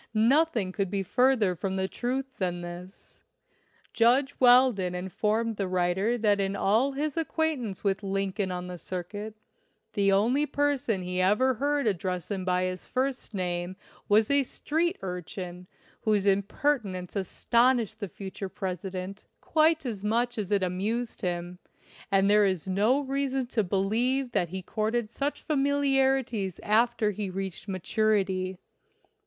Nothing could be fur ther from the truth than this. Judge Weldon informed the writer that in all his acquaintance with Lincoln on the circuit, the only person he ever heard address him by his first name was a street urchin whose impertinence astonished the future President quite as much as it amused him, and there is no reason to believe that he courted such familiarities after he reached maturity.